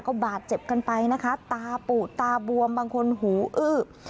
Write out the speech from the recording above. ก็บาดเจ็บกันไปนะคะตาปูดตาบวมบางคนหูอื้อ